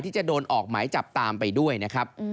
ที่จะโดนออกหมายจับตามไปด้วยนะครับ